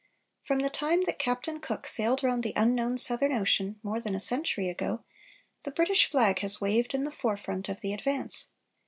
From the time that Captain Cook sailed round the unknown southern ocean, more than a century ago, the British flag has waved in the forefront of the advance.